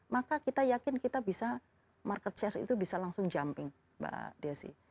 maka kita yakin kita bisa market chair itu bisa langsung jumping mbak desi